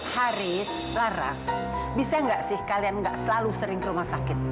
haris laraf bisa nggak sih kalian nggak selalu sering ke rumah sakit